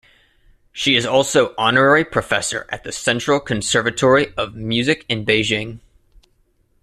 She is also honorary Professor at the Central Conservatory of Music in Beijing.